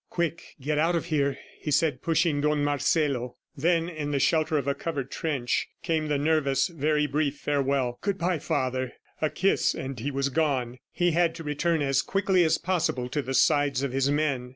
"Quick, get out of here!" he said pushing Don Marcelo. Then, in the shelter of a covered trench, came the nervous, very brief farewell. "Good bye, father," a kiss, and he was gone. He had to return as quickly as possible to the side of his men.